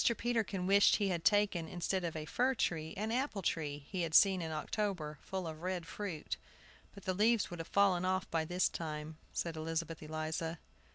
Peterkin wished he had taken, instead of a fir tree, an apple tree he had seen in October, full of red fruit. "But the leaves would have fallen off by this time," said Elizabeth Eliza.